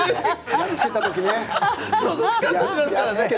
やっつけた時ね。